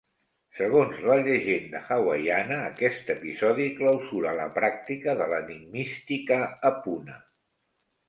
Segons la llegenda hawaiana, aquest episodi clausura la pràctica de l'enigmística a Puna.